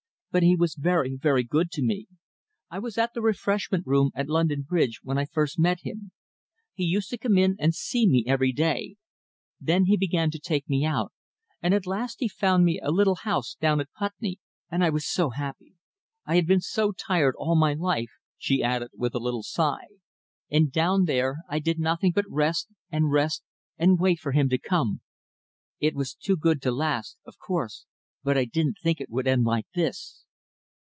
But he was very, very good to me. I was at the refreshment room at London Bridge when I first met him. He used to come in and see me every day. Then he began to take me out, and at last he found me a little house down at Putney, and I was so happy. I had been so tired all my life," she added, with a little sigh, "and down there I did nothing but rest and rest and wait for him to come. It was too good to last, of course, but I didn't think it would end like this!"